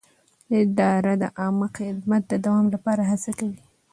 اداره د عامه خدمت د دوام لپاره هڅه کوي.